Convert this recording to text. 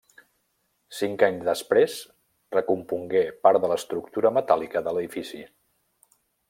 Cinc anys després recompongué part de l'estructura metàl·lica de l'edifici.